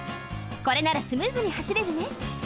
これならスムーズにはしれるね。